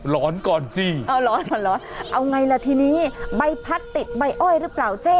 ร้อนก่อนสิเอาหลอนเอาไงล่ะทีนี้ใบพัดติดใบอ้อยหรือเปล่าเจ๊